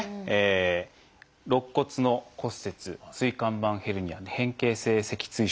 肋骨の骨折椎間板ヘルニア変形性脊椎症。